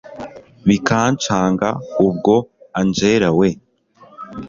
bikanshanga ubwo angella we